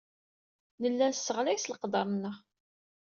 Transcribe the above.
Nella nesseɣlay s leqder-nneɣ.